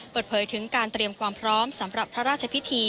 เปิดเผยถึงการเตรียมความพร้อมสำหรับพระราชพิธี